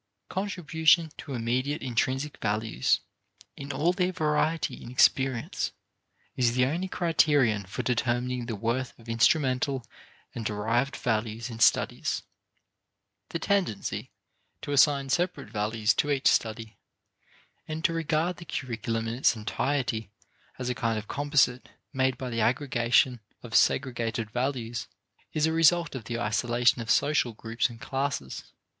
Contribution to immediate intrinsic values in all their variety in experience is the only criterion for determining the worth of instrumental and derived values in studies. The tendency to assign separate values to each study and to regard the curriculum in its entirety as a kind of composite made by the aggregation of segregated values is a result of the isolation of social groups and classes.